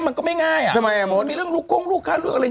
มันก็ไม่ง่ายอ่ะมีเรื่องลุกข้มลูกฆ่าอะไรเย็น